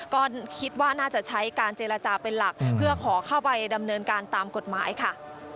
ก็คิดว่าน่าจะใช้การเจรจาเป็นหลักเพื่อขอเข้าไปดำเนินการตามกฎหมายค่ะ